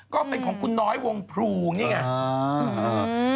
ก็เป็นของคุณน้อยวงปรุงอย่างนี้